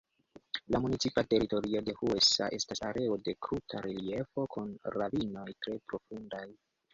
La municipa teritorio de Huesa estas areo de kruta reliefo kun ravinoj tre profundaj.